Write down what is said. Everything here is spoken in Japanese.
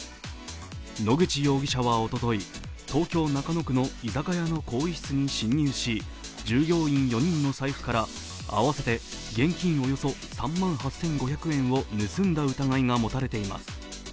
野口容疑者はおととい、東京・中野区の居酒屋の更衣室に侵入し従業員４人の財布から、合わせて現金およそ３万８５００円を盗んだ疑いが持たれています。